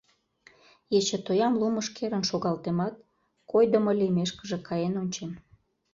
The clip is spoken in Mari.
Ечытоям лумыш керын шогалтемат, койдымо лиймешкыже каен ончем.